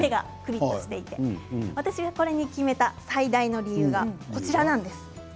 私がこれに決めた最大の理由はこちらです。